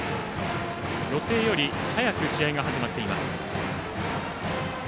予定より早く試合が始まっています。